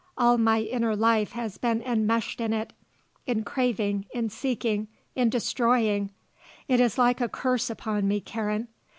all my inner life has been enmeshed in it in craving, in seeking, in destroying. It is like a curse upon me, Karen.